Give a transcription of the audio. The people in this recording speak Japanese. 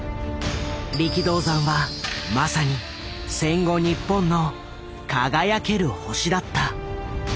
力道山はまさに戦後日本の輝ける星だった。